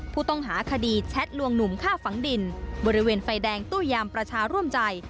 ผู้ต้องหาคดีแชทลวงหนุ่มฆ่าฝังดินบริเวณไฟแดงตู้ยามประชาร่วมใจ